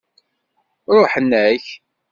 Ṛuḥen-ak.